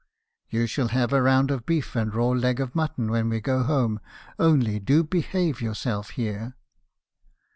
"' You shall have a round of beef and a raw leg of mutton when we get home. Only do behave yourself here.'